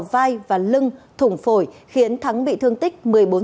thắng đã đâm hai nhát vào lưng thủng phổi khiến thắng bị thương tích một mươi bốn